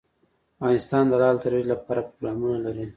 افغانستان د لعل د ترویج لپاره پروګرامونه لري.